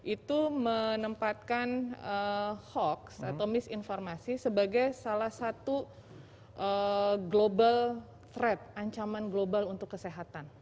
itu menempatkan hoax atau misinformasi sebagai salah satu global trade ancaman global untuk kesehatan